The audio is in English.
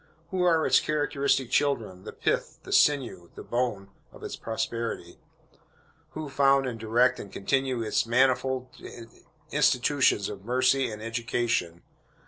Who are its characteristic children, the pith, the sinew, the bone, of its prosperity? Who found, and direct, and continue its manifold institutions of mercy and education?